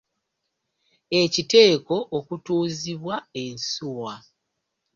Ekiteeko okutuuzibwa ensuwa.